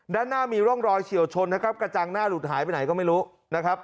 ด้านหน้ามีร่องรอยเฉียวชนนะครับกระจังหน้าหลุดหายไปไหนก็ไม่รู้นะครับ